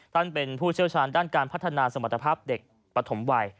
ท่านเป็นผู้เชี่ยวชาญด้านการพัฒนาสมรรถภาพเด็กปฐมวัย